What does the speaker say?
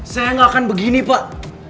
saya nggak akan begini pak